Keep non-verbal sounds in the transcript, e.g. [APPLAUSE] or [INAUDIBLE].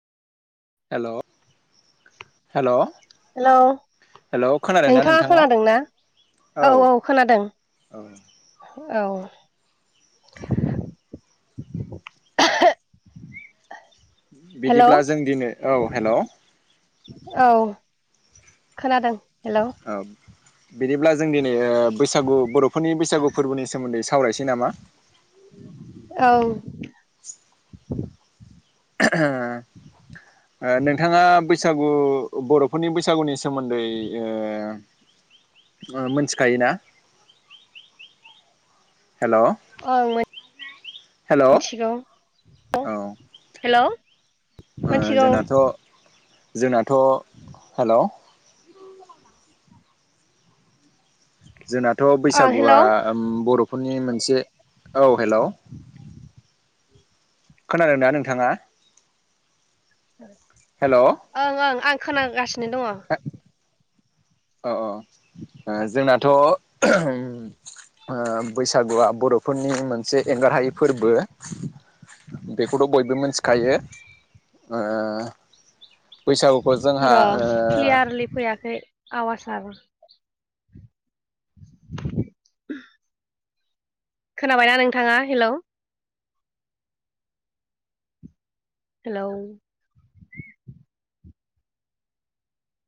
हेल'। Hello hello hello खोनादोंना नोंथाङा खोनादोंना? औ औ खोनादों औ औ। हेलौ बिदिब्ला जों दिनै औ हेलौ औ खोनादों हेलौ। औ बिदिब्ला जों दिनै बैसागु बर'फोरनि बैसागु फोरबोनि सोमोन्दै सावरायसै नामा? औ ओ नोंथाङा बैस बैसागु बर'फोरनि बैसागुनि सोमोन्दै ओ ओ मोनथिखायोना? हेल' ओं हेल' औ मोनथिगौ ओ हेल'। मोनथिगौ। जोंनाथ' जोंनाथ' हेल' जोंनाथ' ओं बैसागुआ हेलौ उम बर'फोरनि मोनसे औ हेल' [INAUDIBLE] खोनादों ना नोंथाङा? [INAUDIBLE] हेल' ओं ओं आं खोनागासिनो दङ। औ औ ओ जोंनाथ' ओ बैसागुआ बर' फोरनि मोनसे एंगारहायै फोरबो। बेखौथ' बयबो मोनथिखायो ओ र' क्लियारलि फैयाखै आवासाआबो। [UNINTELLIGIBLE] खोनाबायना नोंथाङा हेलौ? हेलौ।